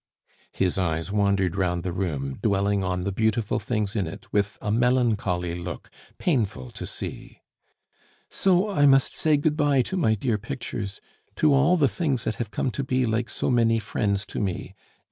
His eyes wandered round the room, dwelling on the beautiful things in it with a melancholy look painful to see. "So I must say good bye to my dear pictures, to all the things that have come to be like so many friends to me...